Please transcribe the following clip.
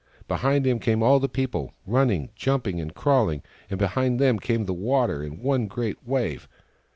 Behind him came all the people, running, jumping and crawling ; and behind them came the water, in one great wave.